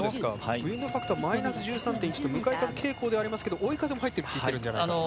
ウインドファクターマイナス１３．１と向かい風傾向ではありますけど追い風も入ってきているんじゃないか。